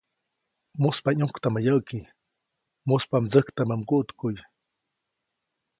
‒Muspa ʼyũktamä yäʼki, mujspa mdsäjktamä mguʼtkuʼy-.